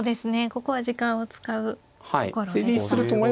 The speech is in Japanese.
ここは時間を使うところですか。